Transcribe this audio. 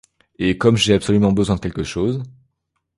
Et comme j'ai absolument besoin de quelque chose.